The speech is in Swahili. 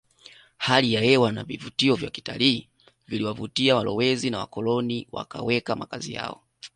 Hali ya hewa na vivutio vya kitalii viliwavutia walowezi na wakoloni wakaweka makazi yao